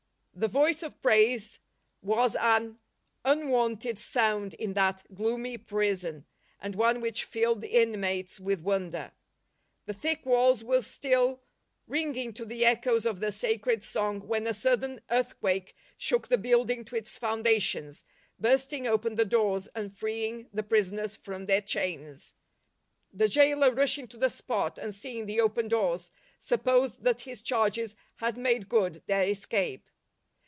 The voice of praise was an unwonted sound in that gloomy prison, and one which filled the in mates with wonder. The thick walls were still ringing to the echoes of the sacred song when a sudden earthquake shook the building to its foundations, bursting open the doors and freeing the prisoners from their chains. The gaoler, rushing to the spot and seeing the open doors, supposed that his charges had made good their escape.